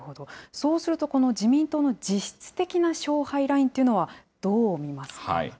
そうすると、この自民党の実質的な勝敗ラインというのはどう見ますか。